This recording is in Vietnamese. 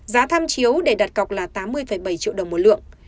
giá tham chiếu để đặt cọc là tám mươi bảy triệu đồng một lượng